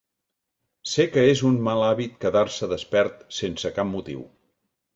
Sé que és un mal hàbit quedar-se despert sense cap motiu.